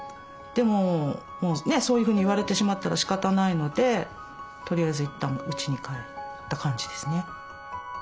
でもそういうふうに言われてしまったらしかたないのでとりあえずいったんうちに帰った感じですね。